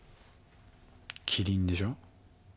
キリンでしょ。